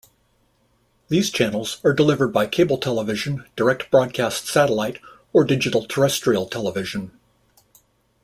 These channels are delivered by cable television, direct-broadcast satellite or digital terrestrial television.